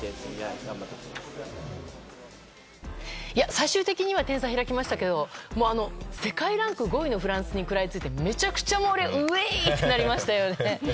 最終的には点差が開きましたけど世界ランク５位のフランスに食らいついてめちゃくちゃうぇーい！ってなりましたよね。